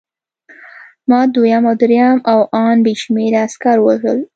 ما دویم او درېیم او ان بې شمېره عسکر ووژل